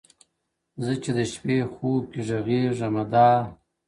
o زه چي د شپې خوب كي ږغېږمه دا،